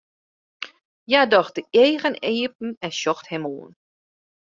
Hja docht de eagen iepen en sjocht him oan.